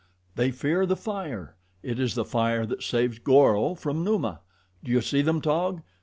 They fear the fire! It is the fire that saves Goro from Numa. Do you see them, Taug?